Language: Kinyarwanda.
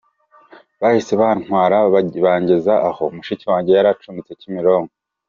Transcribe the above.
Bahise bantwara bangeza aho mushiki wanjye yari acumbitse ku Kimironko.